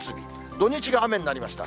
土日が雨になりました。